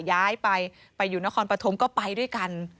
ย้ายไปไปอยู่นครปฐมก็ไปด้วยกัน